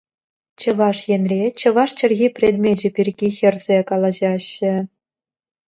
Чӑваш Енре чӑваш чӗлхи предмечӗ пирки хӗрсе калаҫаҫҫӗ.